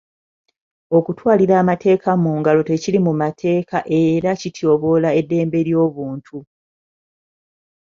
Okutwalira amateeka mu ngalo tekiri mu mateeka era kityoboola eddembe ly'obuntu.